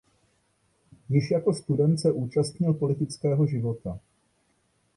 Již jako student se účastnil politického života.